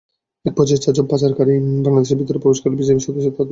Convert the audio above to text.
একপর্যায়ে চারজন পাচারকারী বাংলাদেশের ভেতরে প্রবেশ করলে বিজিবি সদস্যরা তাদের ধাওয়া করেন।